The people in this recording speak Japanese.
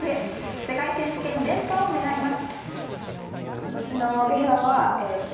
世界選手権連覇を狙います。